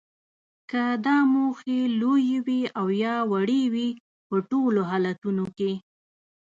که دا موخې لویې وي او یا وړې وي په ټولو حالتونو کې